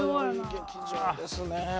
いい劇場ですね。